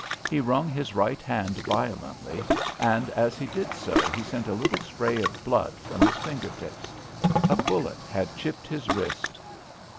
He wrung his right hand violently, and as he did so he sent a little spray of blood from his finger tips. A bullet had chipped his wrist.